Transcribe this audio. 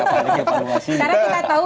karena kita tahu